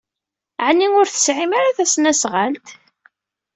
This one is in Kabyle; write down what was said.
Ɛni ur tesɛim ara tasnasɣalt?